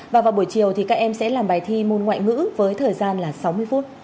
và vào buổi chiều thì các em sẽ làm bài thi môn ngoại ngữ với thời gian là sáu mươi phút